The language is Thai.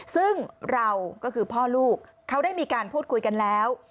ซึ่งเราก็คือพ่อลูกเขาได้มีการพูดคุยกันแล้ว